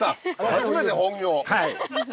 初めて本業。